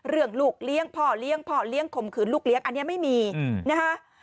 ลูกเลี้ยงพ่อเลี้ยงพ่อเลี้ยงข่มขืนลูกเลี้ยงอันนี้ไม่มีนะคะ